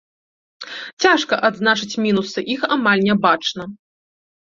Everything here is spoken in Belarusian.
Цяжка адзначыць мінусы, іх амаль не бачна.